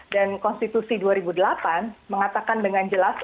dan konstitusi dua ribu delapan mengatakan dengan jelas